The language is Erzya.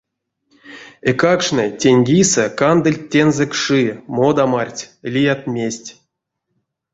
Эйкакштнэ тень кисэ кандыльть тензэ кши, модамарть, лият-мезть.